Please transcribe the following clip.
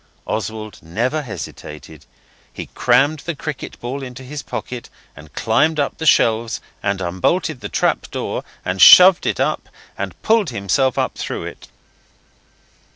Oswald never hesitated. He crammed the cricket ball into his pocket and climbed up the shelves and unbolted the trap door, and shoved it up, and pulled himself up through it.